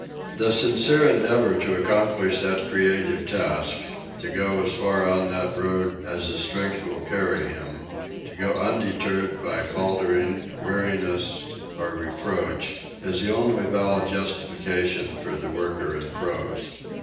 The sincere endeavour to accomplish that creative task, to go as far on that road as his strength will carry him, to go undeterred by faltering, weariness or reproach, is the only valid justification for the worker in prose.